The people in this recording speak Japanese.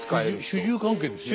主従関係ですよね。